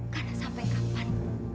karena sampai kapan